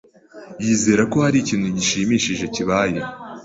Yizera ko hari ikintu gishimishije kibaye.